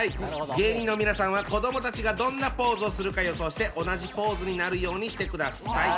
芸人の皆さんは子どもたちがどんなポーズをするか予想して同じポーズになるようにしてください。